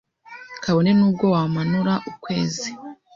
kabone n’ubwo wamanura ukwezi